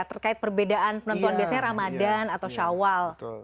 terkait perbedaan penentuan biasanya ramadan atau syawal